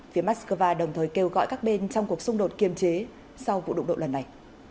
phía moscow đồng thời kêu gọi các bên trong cuộc xung đột kiềm chế sau vụ đụng độ lần này